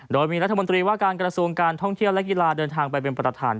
โดยมีราชาวิทยาลักษณะที่จะเปิดคู่หาประเทศไทย